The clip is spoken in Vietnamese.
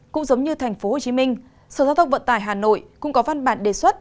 cũng giống như tp hcm sở giao thông vận tải hà nội cũng có văn bản đề xuất